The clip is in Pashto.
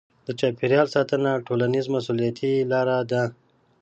د چاپیریال ساتنه ټولنیزه مسوولیتي لاره ده.